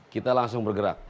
kita langsung bergerak